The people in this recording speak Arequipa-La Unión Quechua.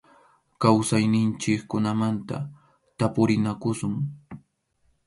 Kawsayninchikkunamanta tapurinakusun.